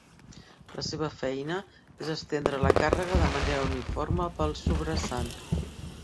La seva feina és estendre la càrrega de manera uniforme pel subrasant.